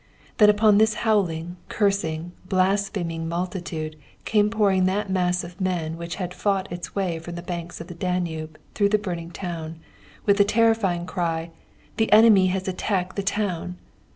Then upon this howling, cursing, blaspheming multitude came pouring that mass of men which had fought its way from the banks of the Danube through the burning town, with the terrifying cry, 'The enemy has attacked the town!'